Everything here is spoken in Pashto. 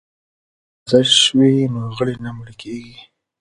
که ورزش وي نو غړي نه مړه کیږي.